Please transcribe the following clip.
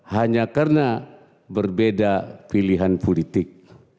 hanya karena berbeda pilihan politik